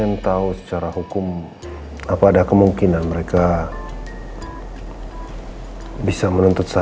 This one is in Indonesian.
atau kita main di kamar aja